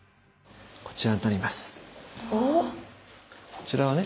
こちらはね